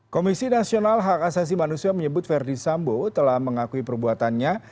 komisi nasional hak asasi manusia menyebut verdi sambo telah mengakui perbuatannya